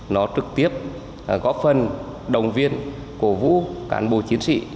nó trực tiếp góp phần đồng viên cổ vũ cán bộ chiến sĩ